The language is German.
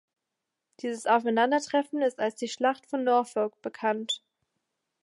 Dieses Aufeinandertreffen ist als die Schlacht von Norfolk bekannt.